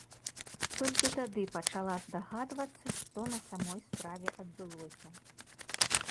Толькі тады пачала здагадвацца, што на самой справе адбылося.